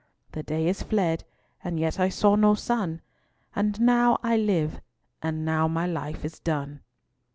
The day is fled, and yet I saw no sun; And now I live, and now my life is done.